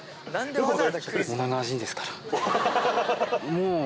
もう。